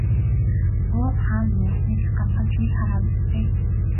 Уут хаана нуусныг ганцхан чи л хараа биз дээ.